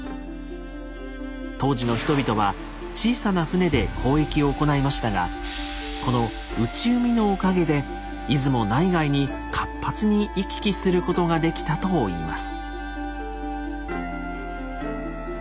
当時の人々は小さな舟で交易を行いましたがこの内海のおかげで出雲内外に活発に行き来することができたといいます。